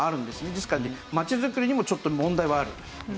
ですからね街づくりにもちょっと問題はある。